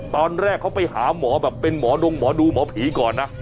ตอนแรกเขาไปหาหมอแบบเป็นหมอดงหมอดูหมอผีก่อนนะ